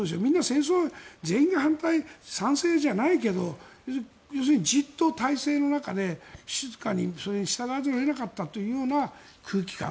戦争、みんなが反対賛成じゃないけど要するにじっと体制の中で静かにそれに従わざるを得なかったというような空気感。